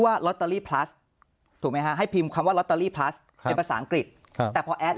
ว่ายังไงครับให้พิมพ์คำว่าลาเตอรี่ภาษาอังกฤษค่ะแล้ว